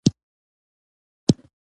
هغه په لاهور کې زده کړې کړې وې.